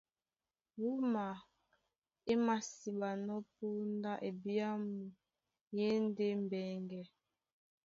Wúma é māsiɓanɔ́ póndá ebyàmu e e ndé mbɛŋgɛ.